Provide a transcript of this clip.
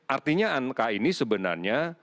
artinya angka ini sebenarnya